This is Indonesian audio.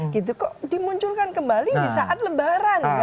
gitu kok dimunculkan kembali di saat lebaran